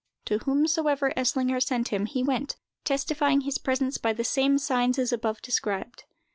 To whomsoever Eslinger sent him, he went—testifying his presence by the same signs as above described.